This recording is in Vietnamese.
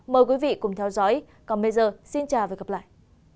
mời quý vị cùng theo dõi còn bây giờ xin chào và hẹn gặp lại